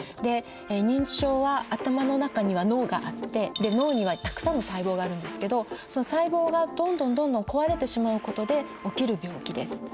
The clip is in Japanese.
認知症は頭の中には脳があって脳にはたくさんの細胞があるんですけどその細胞がどんどんどんどん壊れてしまうことで起きる病気です。